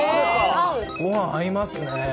ごはん合いますね。